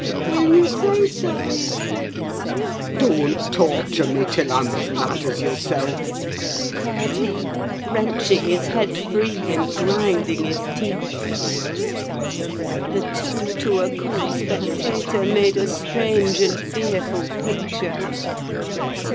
Will you say so, Heathcliff?" "Don't torture me till I'm as mad as yourself," cried he, wrenching his head free, and grinding his teeth. The two, to a cool spectator, made a strange and fearful picture.